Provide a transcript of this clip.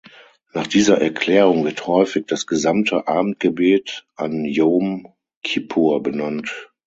Nach dieser Erklärung wird häufig das gesamte Abendgebet an Jom Kippur benannt.